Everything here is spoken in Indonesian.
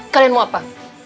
kalian mau apa